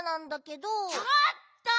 ちょっと！